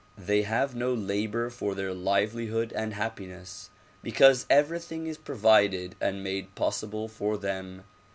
They have no labor for their liveli hood and happiness because everything is provided and made possible for them.